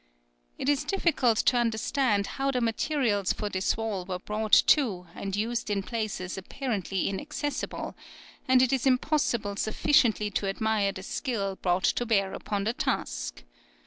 It is difficult to understand how the materials for this wall were brought to and used in places apparently inaccessible, and it is impossible sufficiently to admire the skill brought to bear upon the task.